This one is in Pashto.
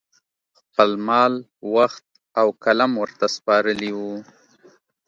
خپل مال، وخت او قلم ورته سپارلي وو